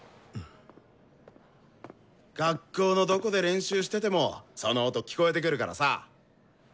学校のどこで練習しててもその音聴こえてくるからさ。